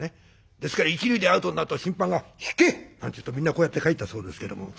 ですから一塁でアウトになると審判が「ひけ！」なんて言うとみんなこうやって帰ったそうですけども。